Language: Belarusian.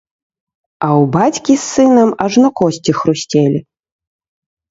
А ў бацькі з сынам ажно косці хрусцелі.